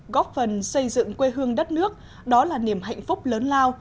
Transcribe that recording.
góp phần xây dựng quê hương đất nước đó là niềm hạnh phúc lớn lao